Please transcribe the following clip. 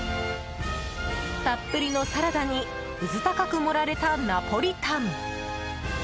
たっぷりのサラダに渦高く盛られたナポリタン。